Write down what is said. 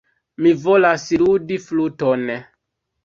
Mi volas ludi fluton.